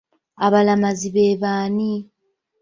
Abalamazi be b'ani?